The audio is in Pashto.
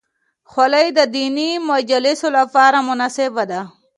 خولۍ د دیني مجالسو لپاره مناسبه ده.